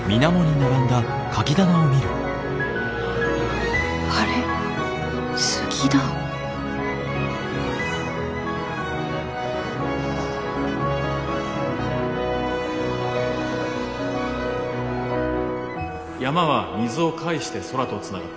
山は水を介して空とつながっています。